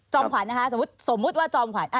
ขวัญนะคะสมมุติว่าจอมขวัญ